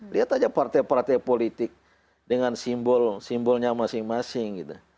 lihat saja partai partai politik dengan simbolnya masing masing